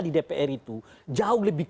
di dpr itu jauh lebih